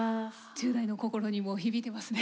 １０代の心にも響いてますね。